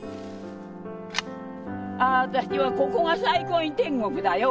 ああ私はここが最高に天国だよ